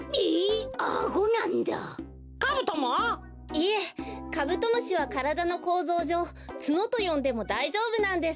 いえカブトムシはからだのこうぞうじょうツノとよんでもだいじょうぶなんです。